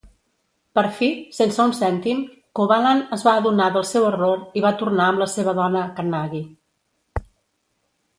Per fi, sense un cèntim, Kovalan es va adonar del seu error i va tornar amb la seva dona Kannagi.